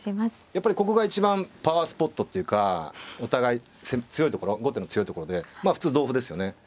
やっぱりここが一番パワースポットっていうかお互い強いところ後手の強いところでまあ普通同歩ですよね。